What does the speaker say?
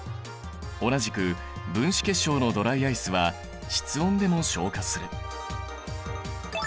同じく分子結晶のドライアイスは室温でも昇華する。